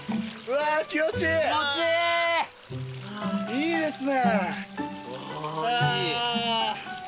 いいですね。